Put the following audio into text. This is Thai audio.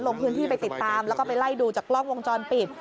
ลงพื้นที่ไปติดตามแล้วก็ไปไล่ดูจากกล้องวงจรปิด